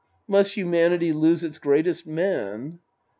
Must humanity lose its greatest man